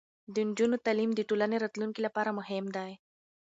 د نجونو تعلیم د ټولنې راتلونکي لپاره مهم دی.